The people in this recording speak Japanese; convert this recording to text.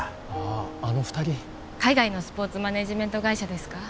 ああの二人海外のスポーツマネージメント会社ですか？